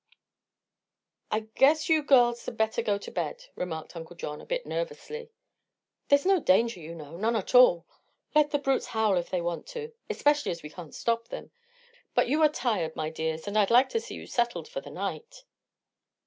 "I guess you girls had better go to bed," remarked Uncle John, a bit nervously. "There's no danger, you know none at all. Let the brutes howl, if they want to especially as we can't stop them. But you are tired, my dears, and I'd like to see you settled for the night."